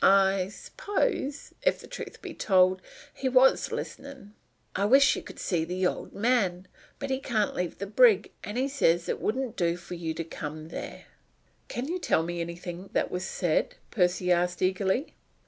I s'pose, if the truth was told, he was list'nin'. I wish you could see the old man; but he can't leave the brig; and he says it wouldn't do for you to come there." "Can you tell me anything that was said?" Percy asked eagerly.